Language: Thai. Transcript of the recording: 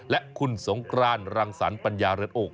และคุณสงกรานรังสรรปัญญาเรือนอก